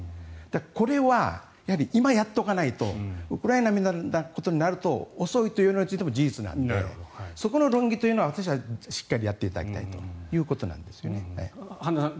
これは今やっておかないとウクライナみたいなことになると遅いということも事実なのでそこの論議というのは私はしっかりやっていただきたいと。